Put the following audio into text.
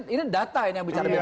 ini data yang bicara bps ini